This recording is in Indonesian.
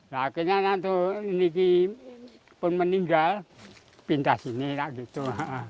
nah akhirnya nanti ini pun meninggal pindah sini lah gitu